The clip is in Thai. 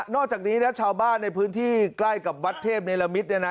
อกจากนี้นะชาวบ้านในพื้นที่ใกล้กับวัดเทพเนรมิตเนี่ยนะ